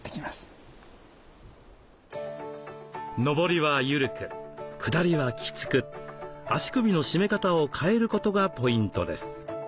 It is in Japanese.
のぼりは緩くくだりはきつく足首の締め方を変えることがポイントです。